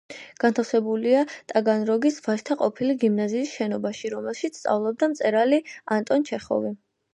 განთავსებულია ტაგანროგის ვაჟთა ყოფილი გიმნაზიის შენობაში, რომელშიც სწავლობდა მწერალი ანტონ ჩეხოვი.